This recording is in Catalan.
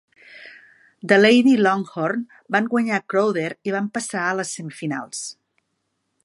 The Lady Longhorn van guanyar Crowder i van passar a les semifinals.